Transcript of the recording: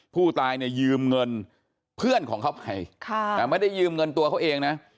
ผู้ตายเนี่ยยืมเงินเพื่อนของเขาไปไม่ได้ยืมเงินตัวเขาเองนะ